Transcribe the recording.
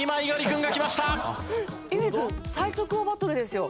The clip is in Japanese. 君最速王バトルですよ。